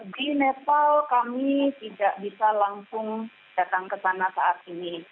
di nepal kami tidak bisa langsung datang ke sana saat ini